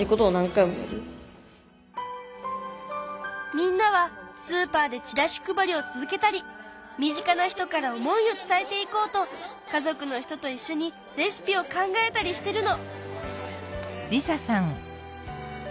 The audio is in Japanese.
みんなはスーパーでチラシ配りを続けたり身近な人から思いを伝えていこうと家族の人といっしょにレシピを考えたりしてるの！